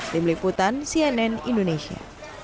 lim likputan cnn indonesia